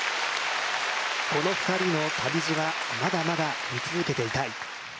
この２人の旅路は、まだまだ見続けていたい。